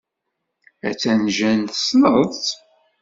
Attan Jane. Tessneḍ-tt?